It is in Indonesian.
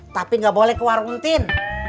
tapi nggak boleh ke warung tin